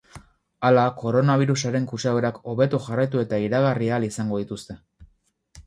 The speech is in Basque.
Hala, koronabirusaren kutsadurak hobeto jarraitu eta iragarri ahal izango dituzte.